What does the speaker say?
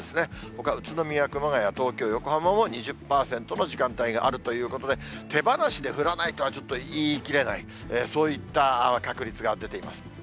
ほか、宇都宮、熊谷、東京、横浜も２０％の時間帯があるということで、手放しで降らないとはちょっと言い切れない、そういった確率が出ています。